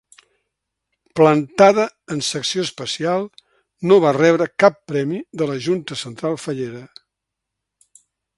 Plantada en secció Especial, no va rebre cap premi de la Junta Central Fallera.